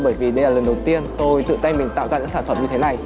bởi vì đây là lần đầu tiên tôi tự tay mình tạo ra những sản phẩm như thế này